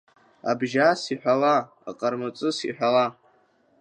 Абжьас иҳәала, Аҟармаҵыс, иҳәала…